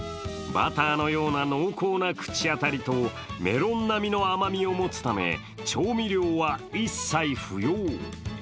バターのような濃厚な口当たりと、メロン並みの甘みを持つため調味料は一切不要。